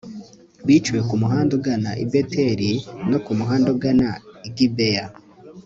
biciwe ku muhanda ugana i beteli no ku muhanda ugana i gibeya